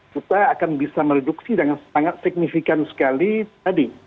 kita akan bisa mereduksi dengan sangat signifikan sekali tadi